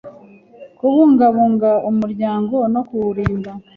kubungabunga umuryango no kuwurinda